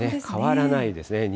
変わらないですね。